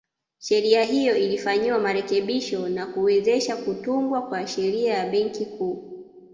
Sheria hiyo ilifanyiwa marekebisho na kuwezesha kutungwa kwa Sheria ya Benki Kuu